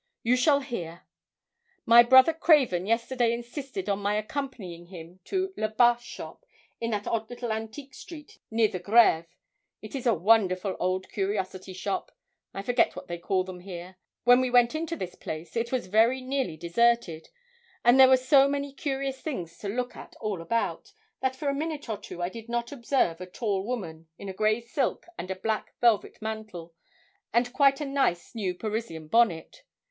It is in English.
you shall hear. My brother Craven yesterday insisted on my accompanying him to Le Bas' shop in that odd little antique street near the Grève; it is a wonderful old curiosity shop. I forget what they call them here. When we went into this place it was very nearly deserted, and there were so many curious things to look at all about, that for a minute or two I did not observe a tall woman, in a grey silk and a black velvet mantle, and quite a nice new Parisian bonnet.